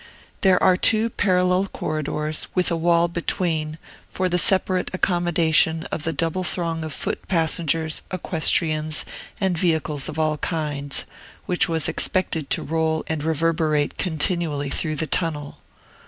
There are two parallel corridors, with a wall between, for the separate accommodation of the double throng of foot passengers, equestrians, and vehicles of all kinds, which was expected to roll and reverberate continually through the Tunnel.